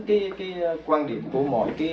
cái quan điểm của mọi